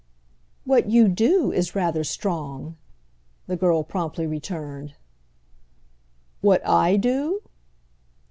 "What you do is rather strong!" the girl promptly returned. "What I do?"